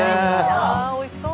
あおいしそう。